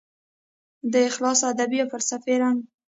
د اخلاص ادبي او فلسفي رنګ